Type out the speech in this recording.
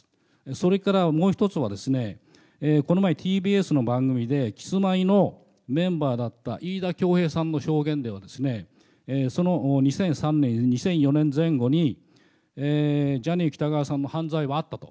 それからもう一つはですね、この前ＴＢＳの番組で、キスマイのメンバーだったいいだきょうへいさんの証言ではですね、その２００３年、２００４年前後に、ジャニー喜多川さんの犯罪はあったと。